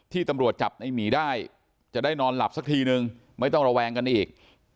ตำรวจจับในหมีได้จะได้นอนหลับสักทีนึงไม่ต้องระแวงกันอีก